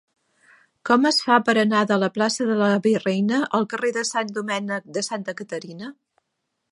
Com es fa per anar de la plaça de la Virreina al carrer de Sant Domènec de Santa Caterina?